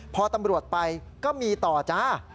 พอตำรวจไปก็มีต่อจ้า